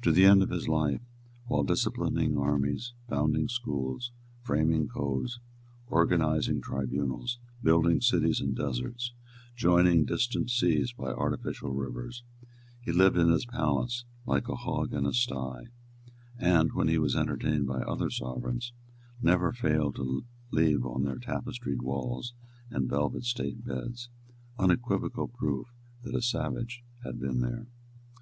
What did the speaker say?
To the end of his life, while disciplining armies, founding schools, framing codes, organising tribunals, building cities in deserts, joining distant seas by artificial rivers, he lived in his palace like a hog in a sty; and, when he was entertained by other sovereigns, never failed to leave on their tapestried walls and velvet state beds unequivocal proof that a savage had been there.